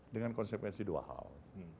dengan konsepensi dua hal